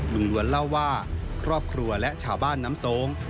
ล้วนเล่าว่าครอบครัวและชาวบ้านน้ำโซ้ง